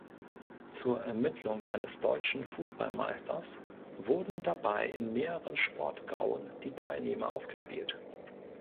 Zur Ermittlung eines Deutschen Fußballmeisters wurden dabei in mehreren Sport-Gauen die Teilnehmer ausgespielt.